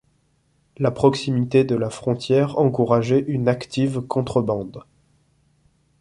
La proximité de la frontière encourageait une active contrebande.